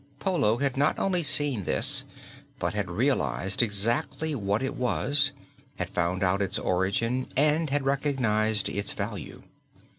Polo had not only seen this but had realized exactly what it was, had found out its origin and had recognized its value.